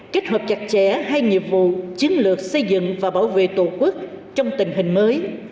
kết hợp chặt chẽ hai nhiệm vụ chiến lược xây dựng và bảo vệ tổ quốc trong tình hình mới